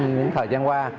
những thời gian qua